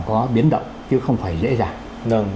có biến động chứ không phải dễ dàng